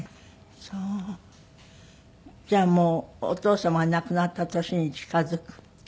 じゃあもうお父様が亡くなった年に近付く？